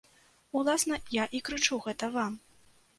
Уласна, я і крычу гэта вам.